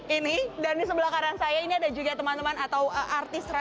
ini dan di sebelah kanan saya ini ada juga teman teman atau artis